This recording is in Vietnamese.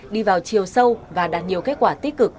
đi vào chiều sâu và đạt nhiều kết quả tích cực